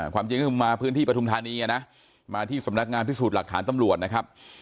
ความจริงก็คือมาพื้นที่ปฐุมธานีนะมาที่สำนักงานพิสูจน์หลักฐานตำรวจนะครับ